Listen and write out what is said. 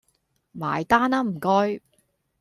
埋單呀唔該